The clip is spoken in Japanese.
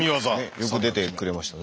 よく出てくれましたね。